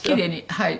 はい。